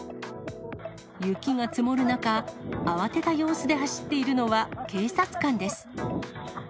雪が積もる中、慌てた様子で走っているのは警察官です。